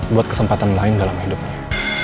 buat kesempatan lain dalam hidupnya